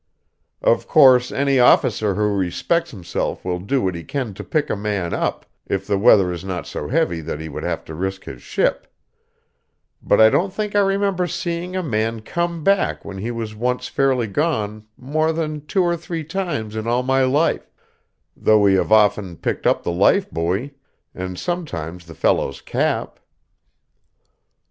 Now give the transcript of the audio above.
Of course, any officer who respects himself will do what he can to pick a man up, if the weather is not so heavy that he would have to risk his ship; but I don't think I remember seeing a man come back when he was once fairly gone more than two or three times in all my life, though we have often picked up the life buoy, and sometimes the fellow's cap.